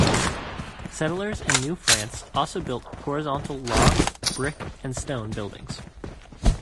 Settlers in New France also built horizontal log, brick, and stone buildings.